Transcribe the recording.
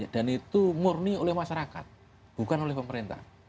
dan itu murni oleh masyarakat bukan oleh pemerintah